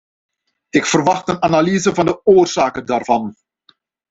Ik verwacht een analyse van de oorzaken daarvan.